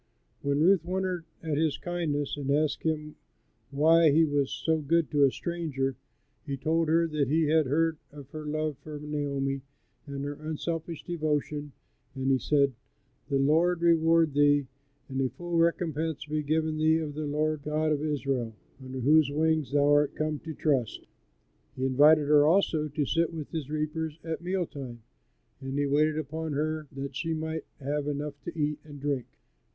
When Ruth wondered at his kindness and asked him why he was so good to a stranger, he told her that he had heard of her love for Naomi and her unselfish devotion, and he said: "The Lord reward thee, and a full recompense be given thee of the Lord God of Israel, under whose wings thou art come to trust." He invited her also to sit with his reapers at meal time, and he waited upon her that she might have enough to eat and drink.